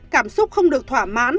cảm xúc không được thỏa mãn